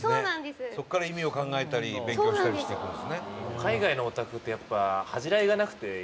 伊達：そこから意味を考えたり勉強したりしていくんですね。